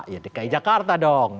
ya dki jakarta dong